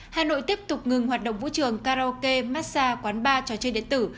hà nội tiếp tục ngừng hoạt động vũ trường karaoke massage quán bar trò chơi điện tử